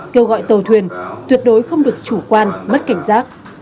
kêu gọi tàu thuyền tuyệt đối không được chủ quan mất cảnh giác